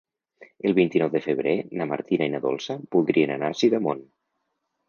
El vint-i-nou de febrer na Martina i na Dolça voldrien anar a Sidamon.